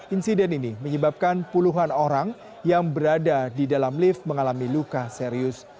insiden ini menyebabkan puluhan orang yang berada di dalam lift mengalami luka serius